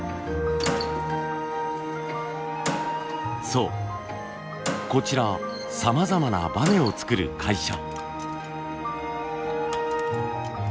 そうこちらさまざまなバネを作る会社。